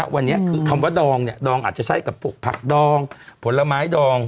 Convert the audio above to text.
วันนี้คือคำว่าดองเนี่ยดองอาจจะใช้กับพวกผักดองผลไม้ดอง